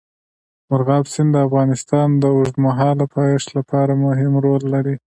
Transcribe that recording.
مورغاب سیند د افغانستان د اوږدمهاله پایښت لپاره مهم رول لري.